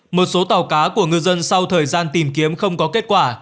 một số tàu cá của ngư dân sau thời gian tìm kiếm không có kết quả